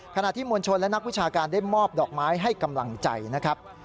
ขณะที่มวลชนและนักวิชาการได้มอบดอกไม้ให้กำลังใจนะครับ